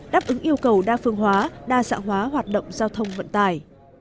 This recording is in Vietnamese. đáp ứng yêu cầu đa phương hóa đa sạng hóa hoạt động giao thông vận tài